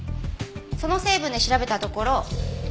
その成分で調べたところ